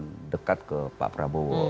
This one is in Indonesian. memang semakin dekat ke pak prabowo